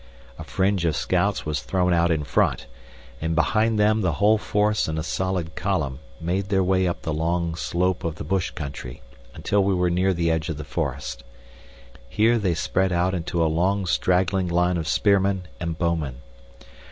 A fringe of scouts was thrown out in front, and behind them the whole force in a solid column made their way up the long slope of the bush country until we were near the edge of the forest. Here they spread out into a long straggling line of spearmen and bowmen.